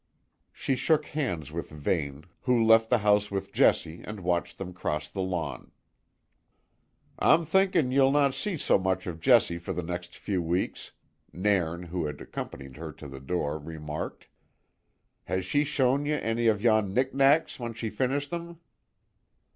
She shook hands with Vane, who left the house with Jessie, and watched them cross the lawn. "I'm thinking ye'll no see so much of Jessie for the next few weeks," Nairn, who had accompanied her to the door, remarked. "Has she shown ye any of yon knick knacks when she finished them."